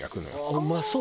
うまそう！